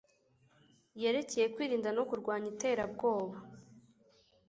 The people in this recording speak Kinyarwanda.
yerekeye kwirinda no kurwanya Iterabwoba.